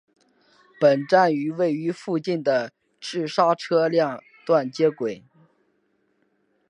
本站与位于附近的赤沙车辆段接轨。